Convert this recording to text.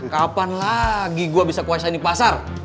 kapan lagi gue bisa kuasain di pasar